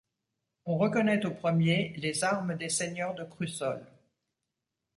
On reconnaît au premier les armes des seigneurs de Crussol.